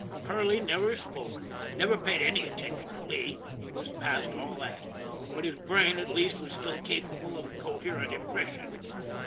Perley never spoke, never paid any attention to Lee he was past all that but his brain, at least, was still capable of coherent impression.